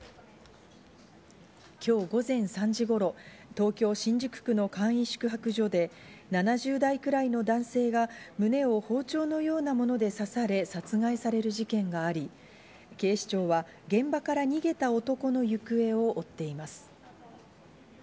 今日午前３時頃、東京・新宿区の簡易宿泊所で、７０代くらいの男性が胸を包丁のようなもので刺され殺害される事件があり、警視庁は現場から逃げた男の行方を追っています。